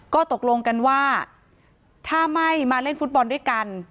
ก็ตกลงกันว่าถ้าไม่มาเล่นฟุตบอลด้วยกัน